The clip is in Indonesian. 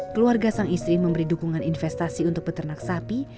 keluarga sang istri memberi dukungan investasi untuk peternak sapi